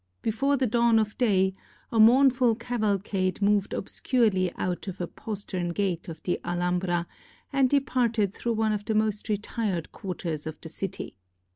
Before the dawn of day, a mournful cavalcade moved obscurely out of a postern gate of the Alhambra, and departed through one of the most retired quarters of the city.